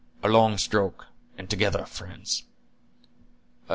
A long stroke, and together, friends."